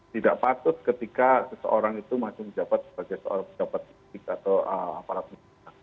tidak patut ketika seseorang itu masuk jabat sebagai seorang pejabat atau apalagi